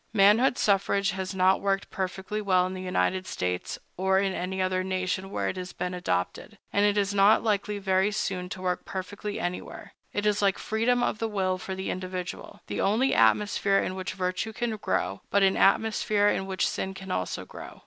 Manhood suffrage has not worked perfectly well in the United States, or in any other nation where it has been adopted, and it is not likely very soon to work perfectly anywhere. It is like freedom of the will for the individual—the only atmosphere in which virtue can grow, but an atmosphere in which sin can also grow.